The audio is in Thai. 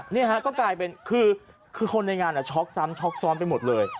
นี่ฮะก็กลายเป็นคือคนในงานช็อกซ้ำช็อกซ้อนไปหมดเลย